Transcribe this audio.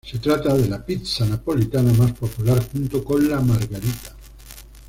Se trata de la pizza napolitana más popular, junto con la Margarita.